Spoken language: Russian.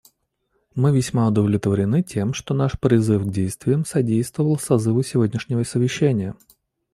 Мы весьма удовлетворены тем, что наш призыв к действиям содействовал созыву сегодняшнего Совещания.